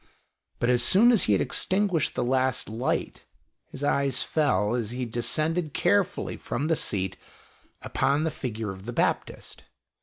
But as soon as he had extinguished the last light, his eye fell, as he descended carefully from the seat, upon the figure of the Baptist.